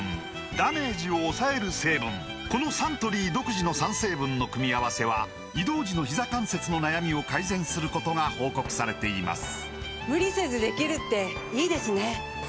このサントリー独自の３成分の組み合わせは移動時のひざ関節の悩みを改善することが報告されています